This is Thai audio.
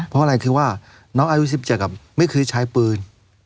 เพราะอะไรคือว่าน้องอายุสิปเจอกับไม่เคยใช้ปืน